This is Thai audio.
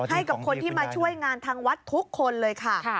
ให้กับคนที่มาช่วยงานทางวัดทุกคนเลยค่ะ